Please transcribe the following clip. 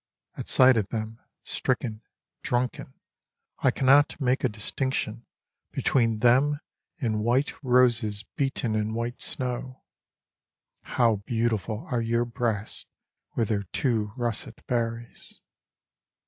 At sight of them, stricken, drunken, I cannot make a distinction Between them and white roses beaten in white snow. How beautiful are your breasts with their two russet berries.